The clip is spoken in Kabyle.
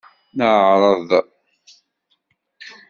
Neɛreḍ.